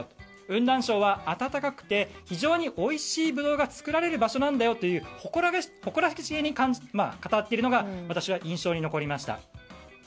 雲南省は暖かくて非常においしいブドウが作られる場所なんだよという誇らしげに語っているのが私は印象に残りました。